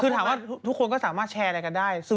คือถามว่าทุกคนก็สามารถแชร์อะไรกันได้